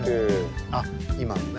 あっ今のね。